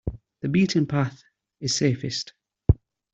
The beaten path is safest.